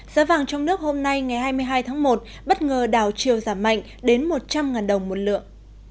giá vàng trong nước hôm nay ngày hai mươi hai tháng một bất ngờ đào chiều giảm mạnh đến một trăm linh đồng một lượng